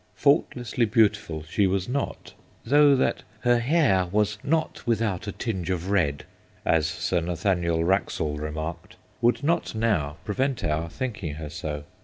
Faultlessly beautiful she was not, though that 'her hair was not without a tinge of red/ as Sir Nathaniel Wraxall re marked, would not now prevent our thinking her so.